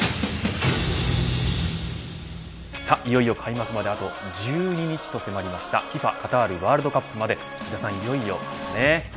いよいよ開幕まであと１２日と迫りましたＦＩＦＡカタールワールドカップまで皆さん、いよいよですね。